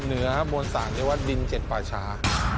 เหนือมวลสารเรียกว่าดินเจ็ดป่าชา